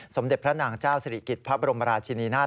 สมเด็จพระนางเจ้าศิริกิจพระบรมราชินีนาฏ